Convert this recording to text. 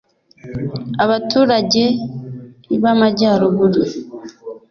Abaturage b amajyaruguru